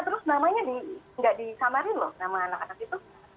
terus namanya nggak disamarin loh nama anak anak itu